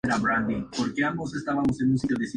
Su cabeza y lomo son de color verde oliva oscuro.